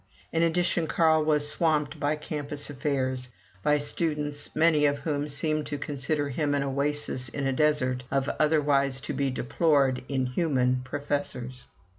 In addition, Carl was swamped by campus affairs by students, many of whom seemed to consider him an oasis in a desert of otherwise to be deplored, unhuman professors.